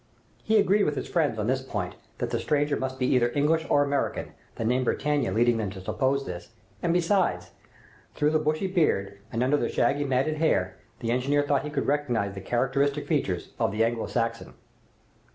He agreed with his friends on this point, that the stranger must be either English or American, the name Britannia leading them to suppose this, and, besides, through the bushy beard, and under the shaggy, matted hair, the engineer thought he could recognize the characteristic features of the Anglo Saxon.